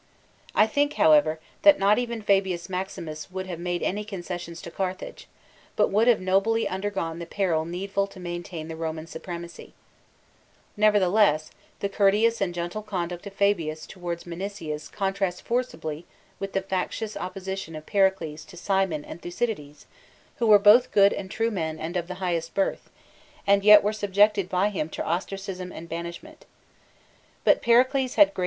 I think, however, that not even Fabius Maximus would have made any concessions to Carthage, but would have nobly undergone the peril needful to maintain the Roman supremacy. Nevertheless, the courteous and gentle conduct of Fabius towards Minucius contrasts forcibly with the factious opposi tion of Pericles to Cimon and Thucydides, who were both good and true men and of the highest birth, 203 PLUTARCH'S LIVES κρατικοὺς εἰς φυγὴν ὑπ᾽ αὐτοῦ καὶ τοὔστρακον ἐκπεσόντας.